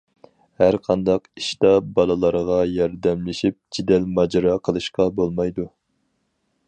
ھەر قانداق ئىشتا بالىلىرىغا ياردەملىشىپ جېدەل ماجىرا قىلىشقا بولمايدۇ.